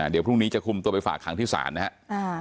เดี๋ยวพรุ่งนี้จะคุมตัวไปฝากขังที่ศาลนะครับ